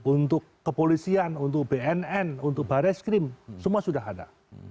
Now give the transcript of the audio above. untuk kepolisian untuk bnn untuk baris krim semua sudah ada